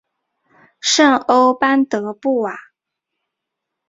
圣欧班德布瓦。